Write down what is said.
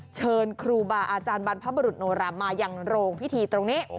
เชิญครูบาอาจารย์บรรพบุรุษโนรามายังโรงพิธีตรงนี้